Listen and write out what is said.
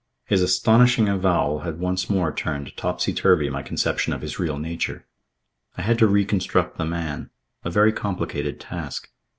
His astonishing avowal had once more turned topsy turvy my conception of his real nature. I had to reconstruct the man, a very complicated task.